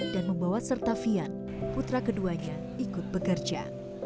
dan membawa serta fian putra keduanya ikut bekerja